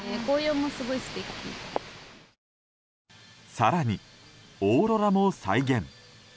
更にオーロラも再現。